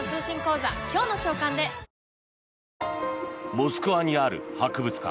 モスクワにある博物館。